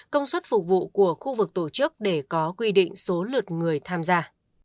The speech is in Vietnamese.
công suất phục vụ của khu vực tổ chức để có quy định số lượt người tham gia